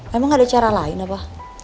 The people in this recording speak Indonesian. emang ada cara lain apa